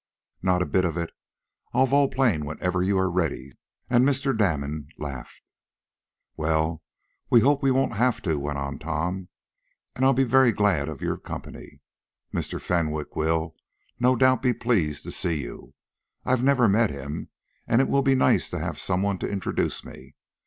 "Not a bit of it. I'll vol plane whenever you are ready," and Mr. Damon laughed. "Well, we'll hope we won't have to," went on Tom. "And I'll be very glad of your company. Mr. Fenwick will, no doubt, be pleased to see you. I've never met him, and it will be nice to have some one to introduce me.